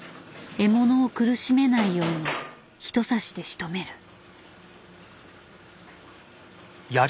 獲物を苦しめないように一刺しでしとめる。